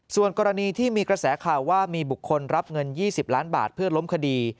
ส่วนกรณีที่มีกระแสข่าวว่ามีบุคคลรับเงิน๒๐ล้านบาทเพื่อล้มคดี